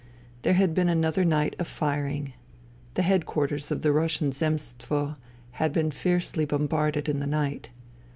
There had been another night of firing. The headquarters of the Russian Zemstvo had been fiercely bombarded in the night.